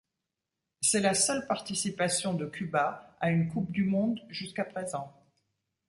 C’est la seule participation de Cuba à une Coupe du monde jusqu’à présent.